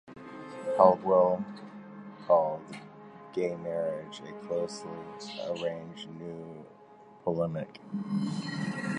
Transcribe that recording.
Caldwell called "Gay Marriage" "a closely argued new polemic".